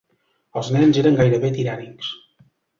Els nens eren gairebé tirànics.